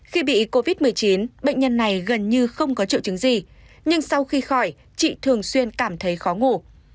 khi bị covid một mươi chín bệnh nhân này gần như không có triệu chứng gì nhưng sau khi khỏi chị thường xuyên cảm thấy khó ngủ